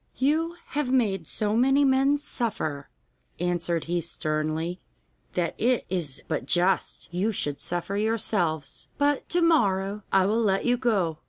'You have made so many men suffer,' answered he sternly, 'that it is but just you should suffer yourselves, but to morrow I will let you go.